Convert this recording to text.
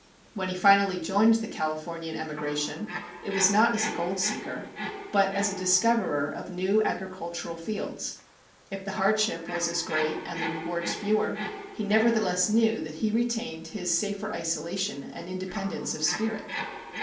When he finally joined the Californian emigration, it was not as a gold seeker, but as a discoverer of new agricultural fields ; if the hardship was as great and the rewards fewer, he nevertheless knew that he retained MR. JACK HAMLIN'S MEDIATION 33 his safer isolation and independence of spirit.